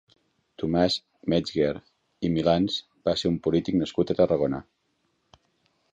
Tomàs Metzger i Milans va ser un polític nascut a Tarragona.